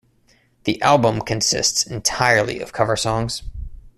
The album consists entirely of cover songs.